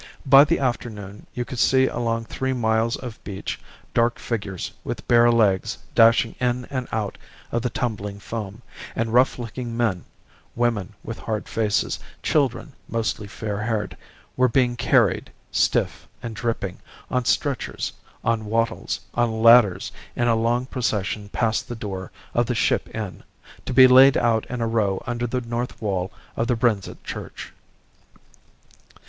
By the afternoon you could see along three miles of beach dark figures with bare legs dashing in and out of the tumbling foam, and rough looking men, women with hard faces, children, mostly fair haired, were being carried, stiff and dripping, on stretchers, on wattles, on ladders, in a long procession past the door of the 'Ship Inn,' to be laid out in a row under the north wall of the Brenzett Church.